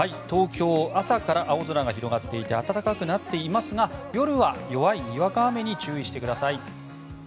東京朝から青空が広がっていて暖かくなっていますが夜は弱いにわか雨に注意してください。